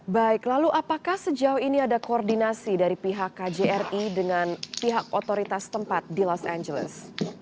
baik lalu apakah sejauh ini ada koordinasi dari pihak kjri dengan pihak otoritas tempat di los angeles